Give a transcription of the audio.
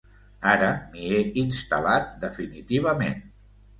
Ara m'hi he instal·lat, definitivament.